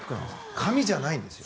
紙じゃないんですよ。